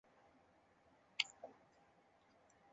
被提举两浙西路常平茶盐公事。